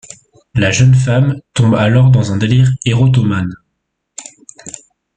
La jeune femme tombe alors dans un délire érotomane.